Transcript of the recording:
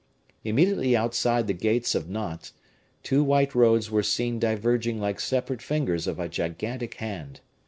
Immediately outside the gates of Nantes two white roads were seen diverging like separate fingers of a gigantic hand.